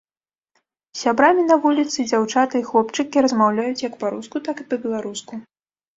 З сябрамі на вуліцы дзяўчаты і хлопчыкі размаўляюць як па-руску, так і па-беларуску.